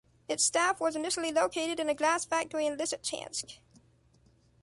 Its staff was initially located in a glass factory in Lyssytchansk.